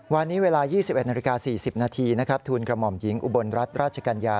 วันนี้เวลา๒๑๔๐นทุนกระหม่อมหญิงอุบลรัฐราชกัญญา